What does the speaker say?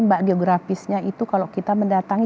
mbak geografisnya itu kalau kita mendatangi